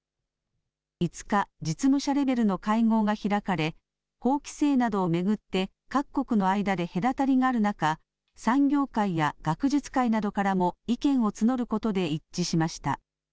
５日、実務者レベルの会合が開かれ法規制などを巡って各国の間で隔たりがある中、産業界や学術界などからも意見を募ることで一致しました。